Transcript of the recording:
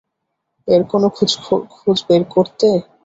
এর কোনো খোঁজ বের করতে?